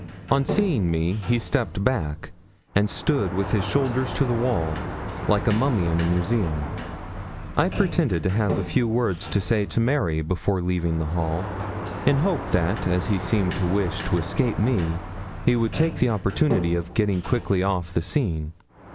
On seeing me he stepped back, and stood with his shoulders to the wall, like a mummy in a museum. I pretended to have a few words to say to Mary before leaving the hall, in the hope that, as he seemed to wish to escape me, he would take the opportunity of getting quickly off the scene.